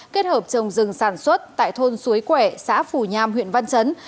kết hợp trồng rừng sản xuất tại thôn suối quẻ xã phù nham huyện văn chấn